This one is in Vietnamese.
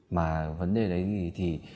mà vấn đề đấy thì